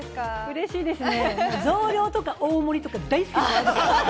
嬉しいですね、増量とか大盛とか大好き！